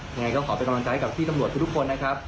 ยังไงก็ขอเป็นกำลังใจกับพี่ตำรวจทุกคนนะครับ